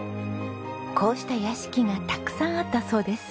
こうした屋敷がたくさんあったそうです。